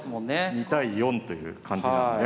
２対４という感じなんでね